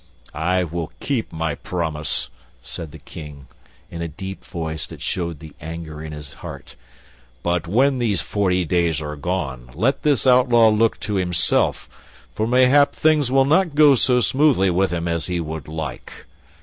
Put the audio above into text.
"I will keep my promise," said the King, in a deep voice that showed the anger in his heart, "but when these forty days are gone let this outlaw look to himself, for mayhap things will not go so smoothly with him as he would like."